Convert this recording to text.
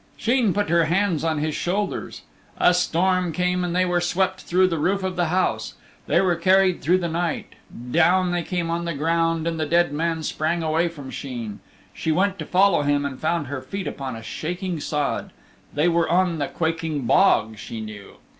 Sheen put her hands on his shoulders. A storm came and they were swept through the roof of the house. They were carried through the night. Down they came on the ground and the dead man sprang away from Sheen. She went to follow him and found her feet upon a shaking sod. They were on the Quaking Bog, she knew.